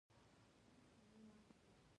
ګنې هغه روغه جوړه کوله.